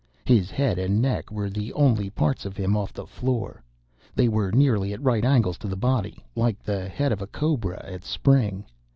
His head and neck were the only parts of him off the floor. They were nearly at right angles to the body, like the head of a cobra at spring.